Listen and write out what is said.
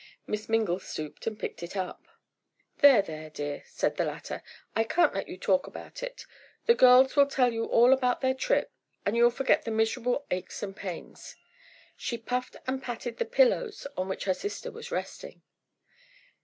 Miss Mingle stooped and picked it up. "There, there, dear," said the latter, "I can't let you talk about it. The girls will tell you all about their trip and you'll forget the miserable aches and pains." She puffed and patted the pillows on which her sister was resting.